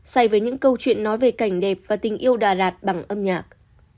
say với những câu chuyện nói về cảnh đẹp và tình yêu đà lạt bằng âm nhạc